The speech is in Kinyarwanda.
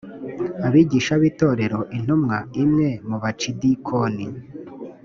abigisha b itorera intumwa imwe mu bucidikoni